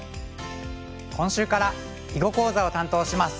今週から囲碁講座を担当します。